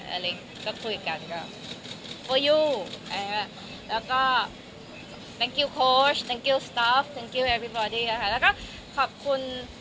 อะไรอย่างเงี้ยก็คุยกันก็แล้วก็ขอบคุณขอบคุณขอบคุณแล้วก็ขอบคุณ